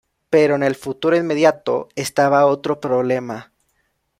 Pero en el futuro inmediato estaba otro problema.